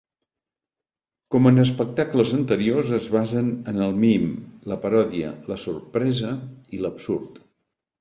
Com en espectacles anteriors, es basen en el mim, la paròdia, la sorpresa i l'absurd.